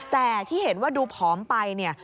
แต่ที่เห็นว่าดูพร้อมไป